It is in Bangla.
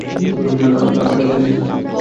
নানা, আমি খালি হাতে আসি নি।